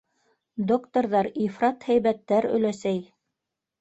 Докторҙар ифрат һәйбәттәр, өләсәй.